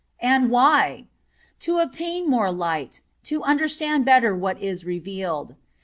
And why? To obtain more light; to understand better what is revealed.